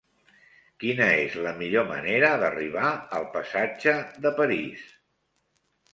Quina és la millor manera d'arribar al passatge de París?